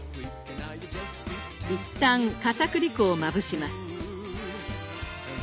一旦かたくり粉をまぶします。